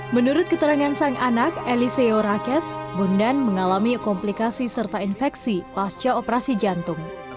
menurut keterangan sang anak eliceo raket bondan mengalami komplikasi serta infeksi pasca operasi jantung